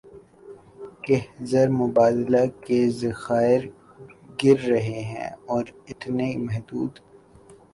کہ زر مبادلہ کے ذخائر گر رہے ہیں اور اتنے محدود